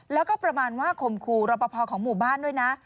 แล้วก็ประมาณว่าข่มครูรอปภของหมู่บ้านด้วยนะ